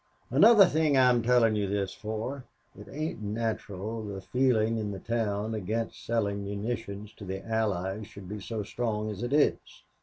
"Another thing I'm telling you this for it ain't natural the feeling in the town against selling munitions to the Allies should be so strong as it is.